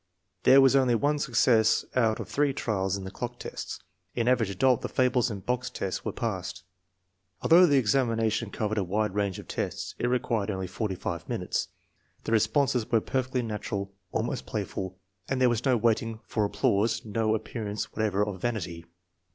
There was only one success out of three trials in the clock test. In Average Adult the fables and box test were passed. Although the examination cov ered a wide range of tests, it required only 45 minutes. The responses were perfectly natural, almost playful. There was no waiting for applause, no appearance whatever of vanity.